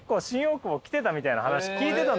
みたいな話聞いてたんだよ俺。